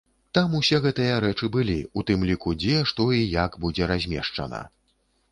Там усе гэтыя рэчы былі, у тым ліку дзе, што і як будзе размешчана.